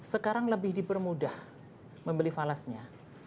sekarang lebih dipermudah membeli falasnya